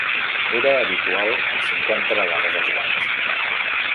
Era habitual cinquanta vegades els guanys.